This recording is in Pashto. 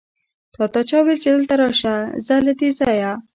تاته چا وويل چې دلته راشه؟ ځه له دې ځايه!